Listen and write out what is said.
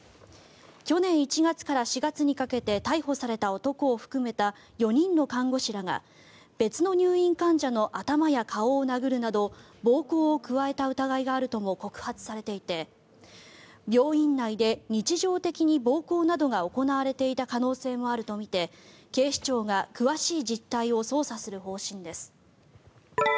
去年１月から４月にかけて逮捕された男を含めた４人の看護師らが別の入院患者の頭や顔を殴るなど暴行を加えた疑いがあるとも告発されていて病院内で日常的に暴行などが行われていた可能性もあるとみて警視庁が詳しい実態を捜査する方針です。